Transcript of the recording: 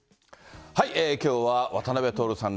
きょうは渡辺徹さん